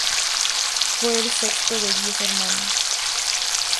Fue el sexto de diez hermanos.